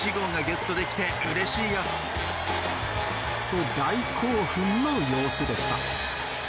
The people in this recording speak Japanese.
と、大興奮の様子でした。